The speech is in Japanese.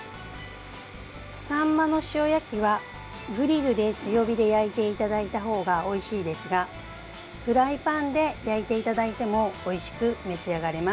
サンマの塩焼きは、グリルで強火で焼いていただいた方がおいしいですがフライパンで焼いていただいてもおいしく召し上がれます。